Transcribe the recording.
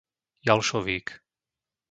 Jalšovík